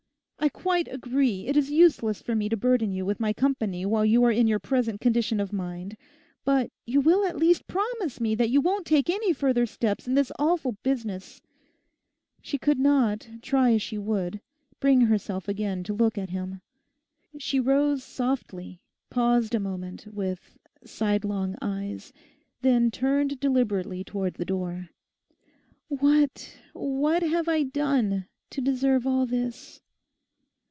I quite agree, it is useless for me to burden you with my company while you are in your present condition of mind. But you will at least promise me that you won't take any further steps in this awful business.' She could not, try as she would, bring herself again to look at him. She rose softly, paused a moment with sidelong eyes, then turned deliberately towards the door, 'What, what have I done to deserve all this?